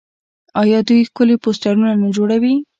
آیا دوی ښکلي پوسټرونه نه جوړوي؟